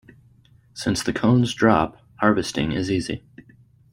Since the cones drop, harvesting is easy.